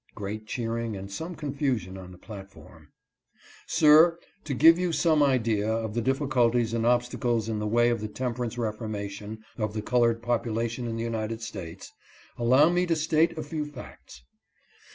[Great cheering, and some confusion on the platform. ] Sir, to give you some idea of the diffi culties and obstacles in the way of the temperance reformation of the colored population in the United States, allow me to state a few facts.